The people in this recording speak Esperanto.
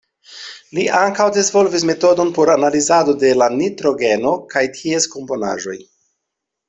Li ankaŭ disvolvis metodon por analizado de la nitrogeno kaj ties komponaĵoj.